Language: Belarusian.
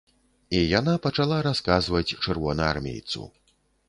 І яна пачала расказваць чырвонаармейцу.